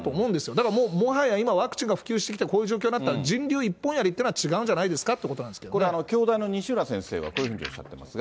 だからもう、もはや今や、ワクチンが普及してきて、こういう状況になったら、人流一本やりっていうのは違うんじゃないですかっていうことなんこれ、京大の西浦先生はこういうふうにおっしゃってますが。